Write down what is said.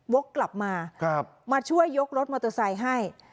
กลับมามาช่วยยกรถมอเตอร์ไซค์ให้